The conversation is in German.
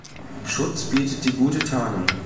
Schutz bietet die gute Tarnung.